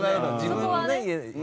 そこはね。